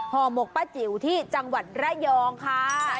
๐๘๖๓๐๒๗๗๑๕ห่อหมกป้าจิ๋วที่จังหวัดระยองค่ะ